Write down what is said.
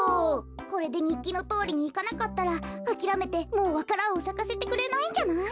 これでにっきのとおりにいかなかったらあきらめてもうわか蘭をさかせてくれないんじゃない？